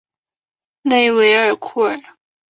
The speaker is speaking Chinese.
勒韦尔库尔。